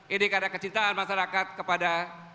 ini karena kecintaan masyarakat kepada